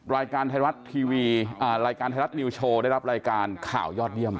รายการไทยรัฐนิวโชว์ได้รับรายการข่าวยอดเยี่ยม